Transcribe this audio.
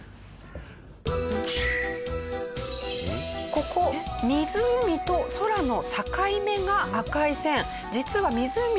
ここ湖と空の境目が赤い線。